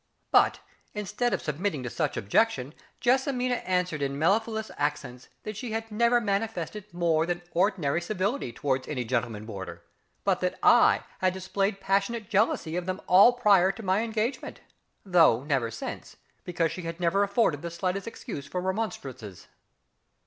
But, instead of submitting to such objection, JESSIMINA answered in mellifluous accents that she had never manifested more than ordinary civility towards any gentleman boarder, but that I had displayed passionate jealousy of them all prior to my engagement though never since, because she had never afforded the slightest excuse for remonstrances.